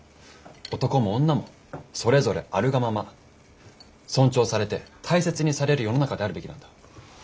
男も女もそれぞれあるがまま尊重されて大切にされる世の中であるべきなんだ。